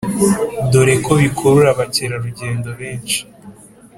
dore ko bikurura abakerarugendo benshi